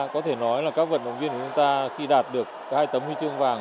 có thể nói là các vận động viên của chúng ta khi đạt được hai tấm huy chương vàng